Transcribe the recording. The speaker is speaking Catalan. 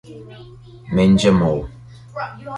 Menja molt.